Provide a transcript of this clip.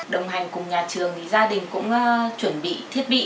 đồng hành cùng nhà trường thì gia đình cũng chuẩn bị thiết bị